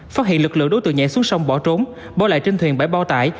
phát hiện lực lượng đối tượng nhảy xuống sông bỏ trốn bỏ lại trên thuyền bảy bao tải